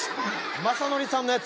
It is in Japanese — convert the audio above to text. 雅紀さんのやつやから。